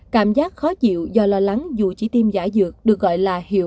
cảm giác khó chịu do lo lắng dù chỉ tiêm giả dược được gọi là hiệu